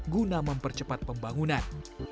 guna mempercepat pembangunan